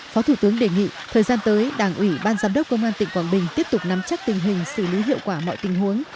phó thủ tướng đề nghị thời gian tới đảng ủy ban giám đốc công an tỉnh quảng bình tiếp tục nắm chắc tình hình xử lý hiệu quả mọi tình huống